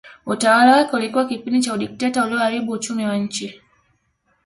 Utawala wake ulikuwa kipindi cha udikteta ulioharibu uchumi wa nchi